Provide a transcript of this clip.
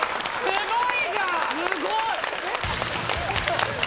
・すごい！